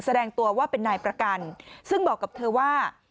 แสดงตัวว่าเป็นนายประกันซึ่งบอกกับเธอว่า